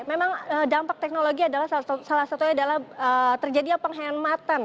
memang dampak teknologi adalah salah satunya adalah terjadinya penghematan